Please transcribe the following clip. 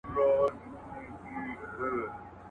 مرگ حقه پياله ده.